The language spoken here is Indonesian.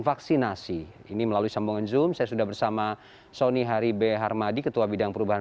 vaksinasi ini melalui sambungan zoom saya sudah bersama sony haribe harmadi ketua bidang perubahan